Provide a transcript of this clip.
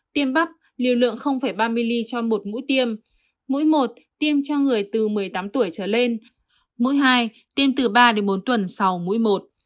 tiêm bắp liều lượng ba milli cho một mũi tiêm mũi một tiêm cho người từ một mươi tám tuổi trở lên mũi hai tiêm từ ba đến bốn tuần sau mũi một